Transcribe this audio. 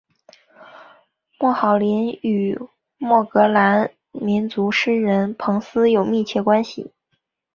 莫赫林与苏格兰民族诗人彭斯有密切关系。